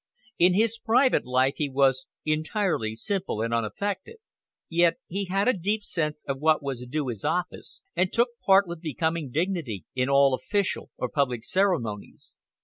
In his private life he was entirely simple and unaffected. Yet he had a deep sense of what was due his office, and took part with becoming dignity in all official or public ceremonies.